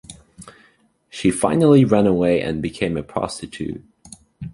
She finally ran away and became a prostitute.